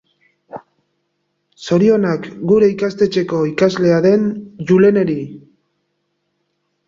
Zorionak gure ikastetxeko ikaslea den Juleneri.